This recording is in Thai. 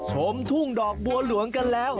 ชมทุ่งดอกบัวหลวงกันแล้ว